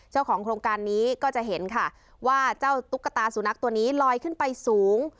เจ้าของโครงการนี้ก็จะเห็นค่ะว่าเจ้าตุ๊กตาสุนัขตัวนี้ลอยขึ้นไปสูง